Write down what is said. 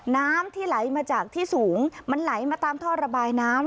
น้ำที่ไหลมาจากที่สูงมันไหลมาตามท่อระบายน้ำ